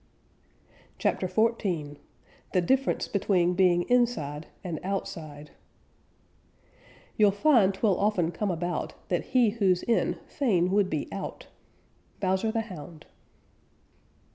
CHAPTER XIV THE DIFFERENCE BETWEEN BEING INSIDE AND OUTSIDE You'll find 'twill often come about That he who's in fain would be out. _Bowser the Hound.